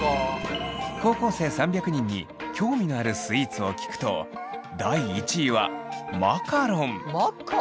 高校生３００人に興味のあるスイーツを聞くと第１位はマカロン！